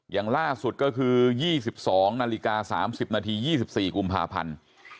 อย่างล่าสุดก็คือ๒๒นาฬิกา๓๐นาที๒๔กุมภาพันธ์